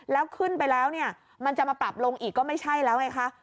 แล้วขึ้นไปแล้วเนี่ยมันจะมาปรับลงอีกก็ไม่ใช่แล้วไงคะ